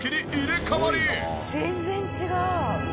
全然違う。